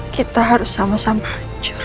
kita harus sama sama hancur